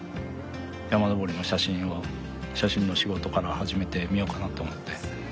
山登りの写真の仕事から始めてみようかなと思って。